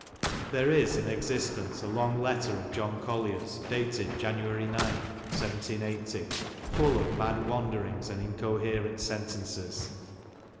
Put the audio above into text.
There is in existence a long letter of John Collier's, dated January 9, 1780, full of mad wanderings and incoherent sentences.